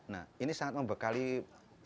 nah ini sangat sekali membekali anak anak